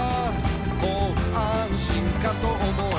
「もう安心かと思えば」